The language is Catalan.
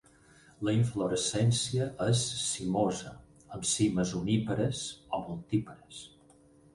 La inflorescència és cimosa, amb cimes unípares o multípares.